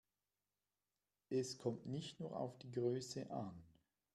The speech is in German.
Es kommt nicht nur auf die Größe an.